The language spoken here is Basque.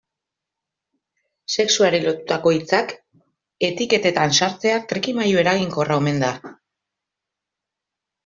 Sexuari lotutako hitzak etiketetan sartzea trikimailu eraginkorra omen da.